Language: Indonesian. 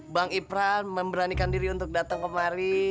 bang ipran memberanikan diri untuk datang kemari